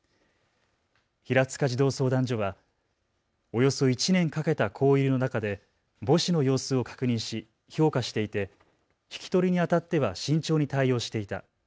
平塚児童相談所はおよそ１年かけた交流の中で母子の様子を確認し評価していて引き取りにあたっては慎重に対応していた。